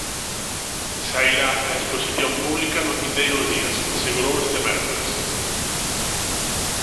"Sairá a exposición pública nos vindeiros días", asegurou este mércores.